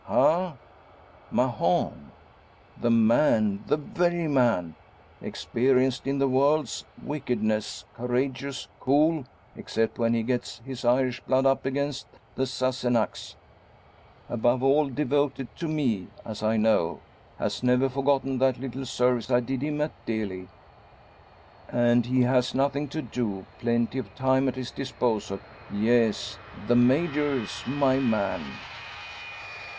Ha! Mahon! The man the very man! Experienced in the world's wickedness, courageous, cool except when he gets his Irish blood up against the Sassenachs above all devoted to me, as I know; has never forgotten that little service I did him at Delhi. And he has nothing to do plenty of time at his disposal. Yes; the Major's my man!